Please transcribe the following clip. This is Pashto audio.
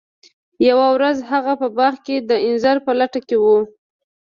یوه ورځ هغه په باغ کې د انځر په لټه کې و.